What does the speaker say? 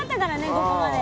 ここまで。